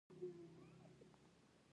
د میوو تولیدات کال په کال زیاتیږي.